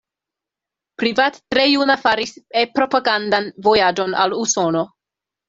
Privat tre juna faris E-propagandan vojaĝon al Usono.